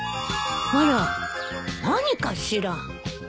あら何かしら。